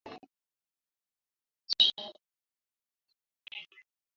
Carter mission শেষ করার পর আমরা দেশ ত্যাগ করতে পারব।